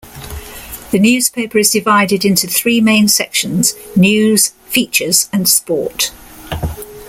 The newspaper is divided into three main sections - news, features and sport.